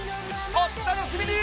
お楽しみに！